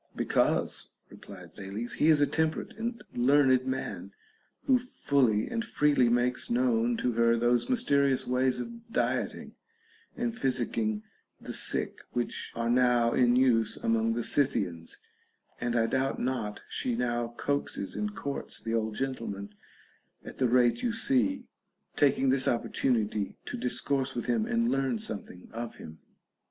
Because, replied Thales. he is a temperate and learned man, who fully and freely makes known to her those mysterious ways of diet ing and physicing the sick which are now in use among the Scvthians ; and I doubt not she now coaxes and courts the old gentleman at the rate you see, taking this oppor tunity to discourse with him and learn something of him. THE BANQUET OF THE SEVEN WISE MEN.